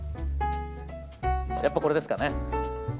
やっぱりこれですかね。